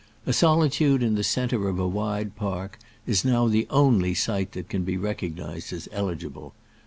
A solitude in the centre of a wide park is now the only site that can be recognized as eligible.